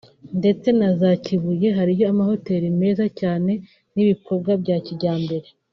ndetse na za Kibuye hariyo ama hotel meza cyane n’ibikorwa bya kijyambere